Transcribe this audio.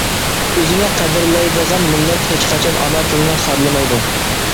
ئۆزىنى قەدىرلەيدىغان مىللەت ھېچقاچان ئانا تىلىنى خارلىمايدۇ.